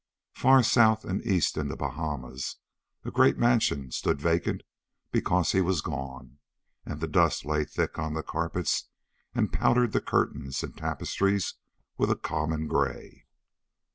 Far south and east in the Bahamas a great mansion stood vacant because he was gone, and the dust lay thick on the carpets and powdered the curtains and tapestries with a common gray.